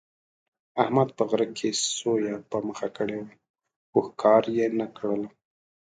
احمد په غره کې سویه په مخه کړې وه، خو ښکار یې نه کړله.